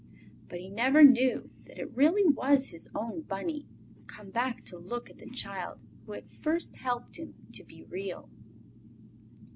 But he never knew that it really was his own Bunny, come back to look at the child who had first helped him to be Real.